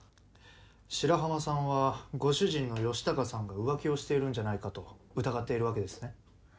白浜さんはご主人の佳孝さんが浮気をしているんじゃないかと疑っているわけですね。